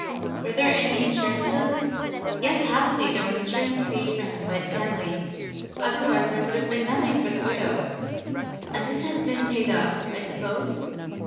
Were there any insurances?" "Yes; happily there was insurance paid for him by the family. Otherwise there would have been nothing for the widow." "And this has been paid up, I suppose?"